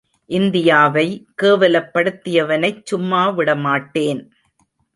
இந்தியாவை கேவலப்படுத்தியவனைச் சும்மாவிடமாட்டேன்.